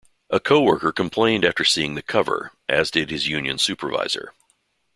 A co-worker complained after seeing the cover, as did his union supervisor.